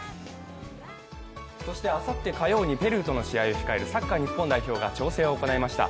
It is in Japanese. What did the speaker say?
そしてあさって火曜にペルーとの試合を控えるサッカー日本代表が調整を行いました。